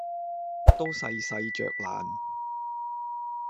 都細細嚼爛，